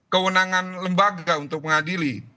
kewenangan lembaga untuk mengadili